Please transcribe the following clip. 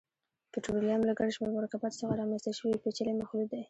پټرولیم له ګڼشمېر مرکباتو څخه رامنځته شوی پېچلی مخلوط دی.